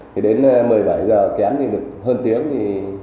thì đến một mươi bảy giờ kém thì được hơn tiếng thì